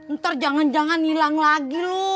ntar jangan jangan hilang lagi loh